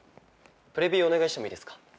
プレビューお願いしてもいいですか？